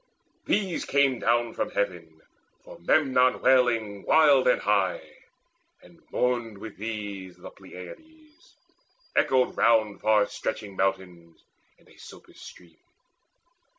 These came down From heaven, for Memnon wailing wild and high; And mourned with these the Pleiads. Echoed round Far stretching mountains, and Aesopus' stream.